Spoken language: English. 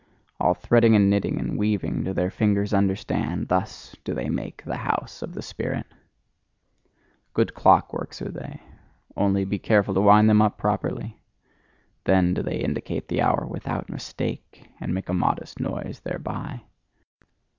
All threading and knitting and weaving do their fingers understand: thus do they make the hose of the spirit! Good clockworks are they: only be careful to wind them up properly! Then do they indicate the hour without mistake, and make a modest noise thereby.